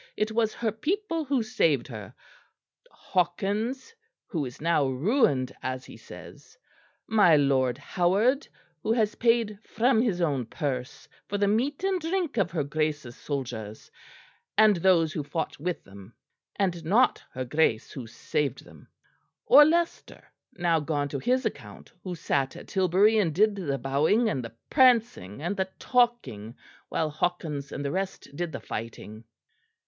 It was her people who saved her. Hawkins, who is now ruined as he says; my lord Howard, who has paid from his own purse for the meat and drink of her Grace's soldiers, and those who fought with them; and not her Grace, who saved them; or Leicester, now gone to his account, who sat at Tilbury and did the bowing and the prancing and the talking while Hawkins and the rest did the fighting.